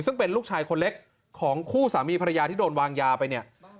ซึ่งเป็นลูกชายคนเล็กของคู่สามีภรรยาที่โดนวางยาไปเนี่ย